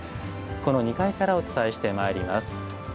この２階からお伝えしてまいります。